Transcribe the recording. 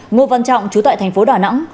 ngô văn trọng trú tại tp đà nẵng